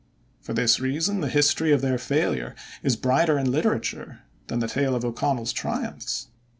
For this reason the history of their failure is brighter in literature than the tale of O'Connell's triumphs.